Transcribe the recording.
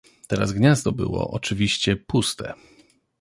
Teraz gniazdo było, oczywiście, puste.